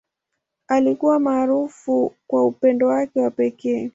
Alikuwa maarufu kwa upendo wake wa pekee.